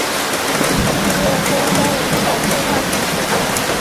贝勒枫丹人口变化图示